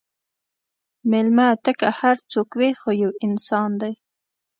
مېلمه ته که هر څوک وي، خو یو انسان دی.